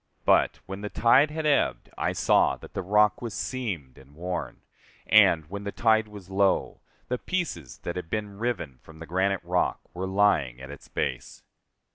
But, when the tide had ebbed, I saw that the rock was seamed and worn; and, when the tide was low, the pieces that had been riven from the granite rock were lying at its base.